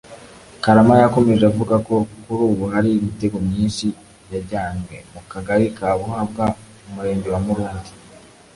Karama yakomeje avuga ko kuri ubu hari imitego myinshi yajyanwe mu Kagari ka Buhabwa mu Murenge wa Murundi